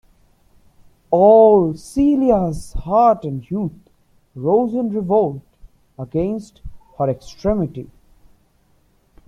All Celia's heart and youth rose in revolt against her extremity.